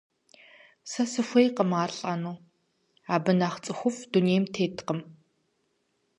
Сэ сыхуейкъым ар лӀэну, абы нэхърэ нэхъ цӀыхуфӀ дунейм теткъым.